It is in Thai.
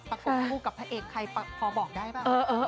ประกบคู่กับพระเอกใครพอบอกได้เปล่า